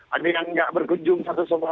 ada yang nggak berkunjung satu satu